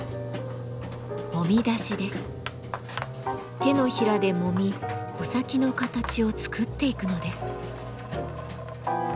手のひらでもみ穂先の形を作っていくのです。